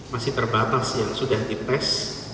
masih terbatas yang sudah dites